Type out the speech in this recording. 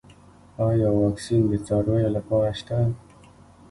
آیا واکسین د څارویو لپاره شته؟